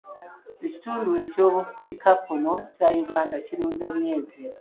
Ekitundu ky'obukiikakkono kya Uganda kirunda nnyo ente.